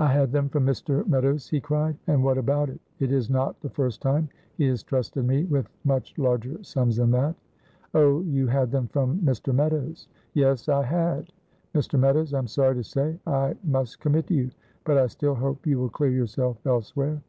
"I had them from Mr. Meadows," he cried; "and what about it? it is not the first time he has trusted me with much larger sums than that." "Oh! you had them from Mr. Meadows?" "Yes, I had!" "Mr. Meadows, I am sorry to say I must commit you; but I still hope you will clear yourself elsewhere."